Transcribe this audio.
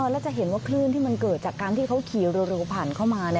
แล้วจะเห็นว่าคลื่นที่มันเกิดจากการที่เขาขี่เร็วผ่านเข้ามา